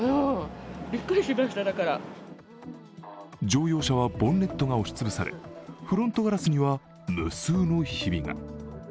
乗用車はボンネットが押し潰され、フロントガラスには無数のひびが。